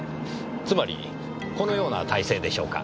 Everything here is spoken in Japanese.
つまりこのような体勢でしょうか。